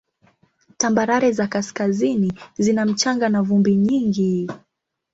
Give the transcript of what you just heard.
Tambarare za kaskazini zina mchanga na vumbi nyingi.